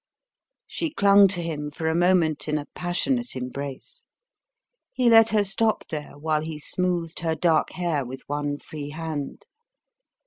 She clung to him for a moment in a passionate embrace. He let her stop there, while he smoothed her dark hair with one free hand.